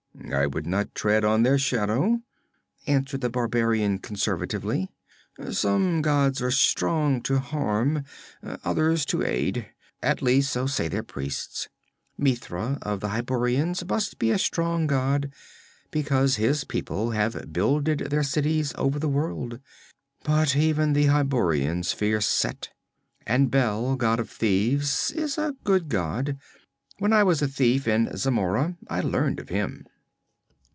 'I would not tread on their shadow,' answered the barbarian conservatively. 'Some gods are strong to harm, others, to aid; at least so say their priests. Mitra of the Hyborians must be a strong god, because his people have builded their cities over the world. But even the Hyborians fear Set. And Bel, god of thieves, is a good god. When I was a thief in Zamora I learned of him.'